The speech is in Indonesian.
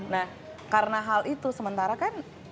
nah karena hal itu sementara kan